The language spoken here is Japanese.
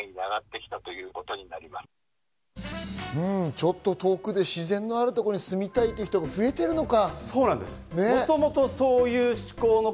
ちょっと遠くで自然のあるところに住みたいという人が増えてるのか。